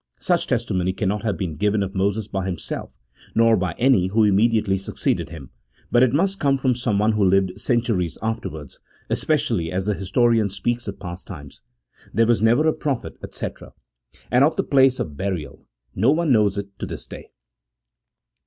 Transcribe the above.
Such testimony cannot have been given of Moses by himself, nor by any who immediately succeeded him, but it must come from someone who lived centuries afterwards, especially as the historian speaks of past times. " There was never a prophet," &c. And of the place of burial, " No one knows it to this day."